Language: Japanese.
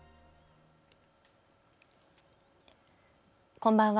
こんばんは。